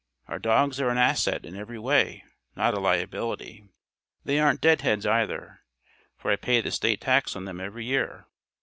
Our dogs are an asset in every way not a liability. They aren't deadheads either. For I pay the state tax on them every year.